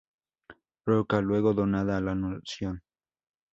Roca, luego donada a la Nación.